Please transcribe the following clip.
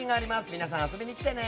皆さん、遊びに来てね！